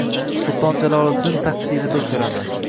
Sulton Jaloliddin taqdirida ko‘raman.